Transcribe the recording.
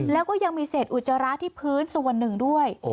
แล้วก็ยังมีเศษอุจจาระที่พื้นส่วนหนึ่งด้วย